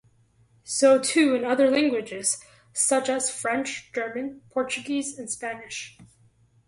So too in other languages, such as French, German, Portuguese, and Spanish.